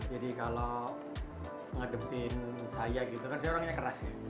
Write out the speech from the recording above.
jadi kalau ngadepin saya gitu kan saya orang yang keras ya